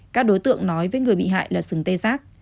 các đối tượng nói với người bị hại là sừng tê giác